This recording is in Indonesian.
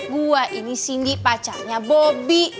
gua ini sindi pacarnya bobby